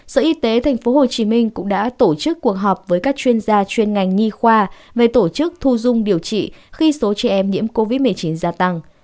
sở y tế tp hcm cũng đã tổ chức cuộc họp với các chuyên gia chuyên ngành nhi khoa về tổ chức thu dung điều trị khi số trẻ em nhiễm covid một mươi chín gia tăng